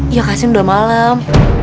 iya kasih udah malam